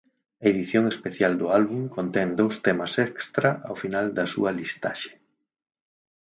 A edición especial do álbum contén dous temas extra ao final da súa listaxe.